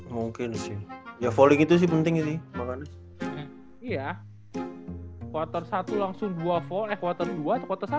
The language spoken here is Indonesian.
mungkin sih ya paling itu sih penting sih makan iya water satu langsung dua volt water